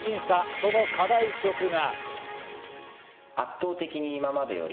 その課題曲が。